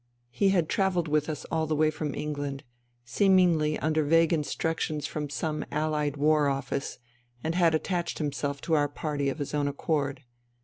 He had travelled with us all the way from England, seemingly under vague instructions from some Allied War Office, and had attached himself to our party of his own accord.